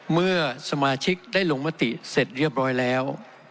เมื่อสมาชิกได้ลงมติเสร็จเรียบร้อยแล้ว